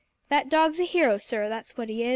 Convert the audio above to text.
That dog's a hero, sir, that's what he is!"